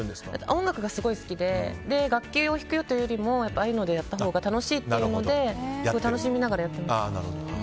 音楽がすごい好きで楽器を弾くというよりもああいうのでやったほうが楽しいっていうので楽しみながらやってます。